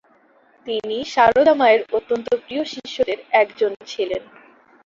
তিনি সারদা মায়ের অত্যন্ত প্রিয় শিষ্যদের একজন ছিলেন।